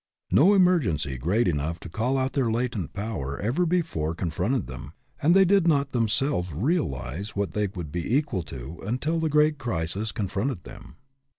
No emergency great enough to call out their latent power ever before con fronted them, and they did not themselves realize what they would be equal to until the great crisis confronted them.